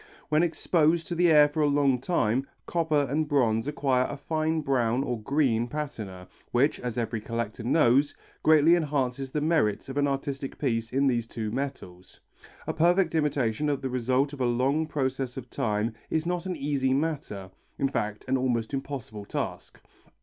When exposed to the air for a long time, copper and bronze acquire a fine brown or green patina which, as every collector knows, greatly enhances the merits of an artistic piece in these two metals. A perfect imitation of the result of a long process of time is not an easy matter, in fact an almost impossible task.